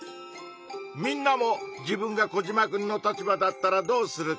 みんなも自分がコジマくんの立場だったらどうするか。